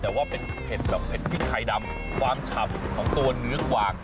แต่ว่าเป็นเผ็ดแบบเผ็ดพริกไทยดำความฉ่ำของตัวเนื้อกวาง